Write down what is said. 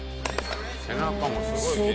「背中もすごい筋肉」